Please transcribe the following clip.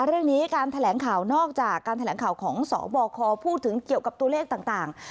เรื่องนี้การแถลงข่าวนอกจากการแถลงข่าวของสบคพูดถึงเกี่ยวกับตัวเลขต่าง